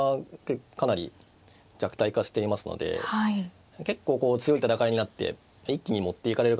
かなり弱体化していますので結構強い戦いになって一気に持っていかれる可能性があるんですよね。